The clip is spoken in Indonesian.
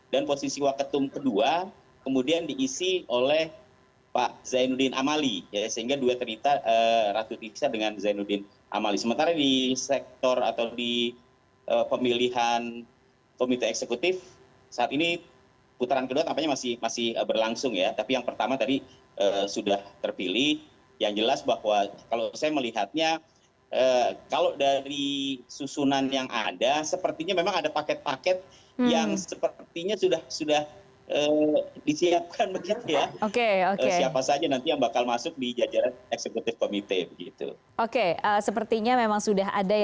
dan setelah dilakukan penghitungan ulang akhirnya berubah